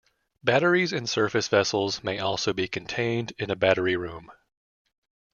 Batteries in surface vessels may also be contained in a battery room.